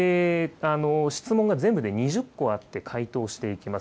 質問が全部で２０個あって、回答していきます。